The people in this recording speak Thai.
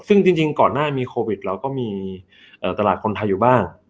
ซึ่งจริงก่อนหน้ามีโควิดเราก็มีตลาดคนไทยอยู่บ้าง